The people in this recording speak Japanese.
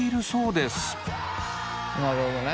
なるほどね。